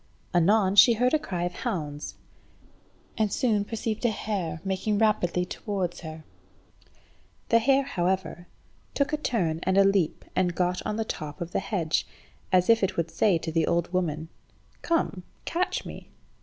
Anon she heard a cry of hounds, and soon perceived a hare making rapidly towards her. The hare, however, took a turn and a leap and got on the top of the hedge, as if it would say to the old woman "Come, catch me."